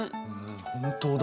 本当だ。